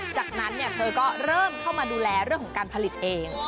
จากนั้นเธอก็เริ่มเข้ามาดูแลเรื่องของการผลิตเอง